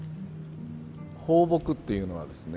抱樸っていうのはですね